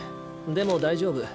でも大丈夫。